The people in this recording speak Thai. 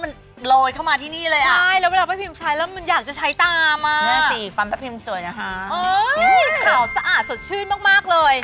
เป็นไงคะรู้แล้วรู้สึก